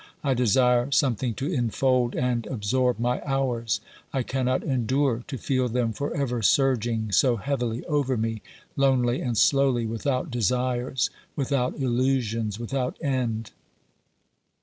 I desire some thing to enfold and absorb my hours ; I cannot endure to feel them for ever surging so heavily over me, lonely and slowly, without desires, without illusions, without end.